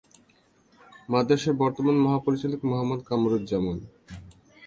মাদ্রাসার বর্তমান মহাপরিচালক মুহাম্মদ কামরুজ্জামান।